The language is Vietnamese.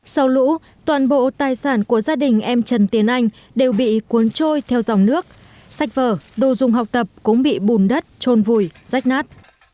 sau lũ toàn bộ tài sản của gia đình em trần tiến anh đều bị cuốn trôi theo dòng nước sách vở đồ dùng học tập cũng bị bùn đất trôn vùi rách nát